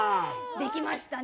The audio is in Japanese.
できましたね。